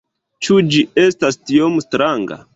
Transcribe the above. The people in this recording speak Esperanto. Ĉu ĝi estas tiom stranga?